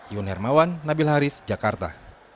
iwan hermawan nabil haris jakarta